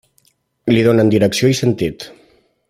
Li donen direcció i sentit.